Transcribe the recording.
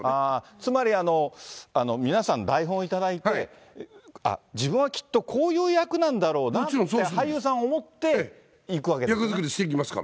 ああ、つまり、皆さん、台本頂いて、あっ、自分はきっとこういう役なんだろうなって、俳優さんは思っていくわけでしょ。